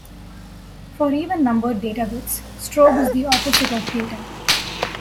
For even-numbered Data bits, Strobe is the opposite of Data.